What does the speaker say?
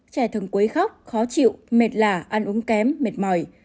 trẻ thường quấy khóc khó chịu mệt lả ăn uống kém mệt mỏi